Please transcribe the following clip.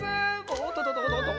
おっとととと。